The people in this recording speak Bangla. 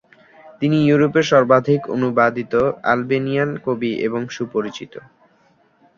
তিনি ইউরোপের সর্বাধিক অনুবাদিত আলবেনিয়ান কবি এবং সুপরিচিত।